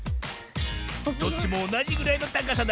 どっちもおなじぐらいのたかさだ。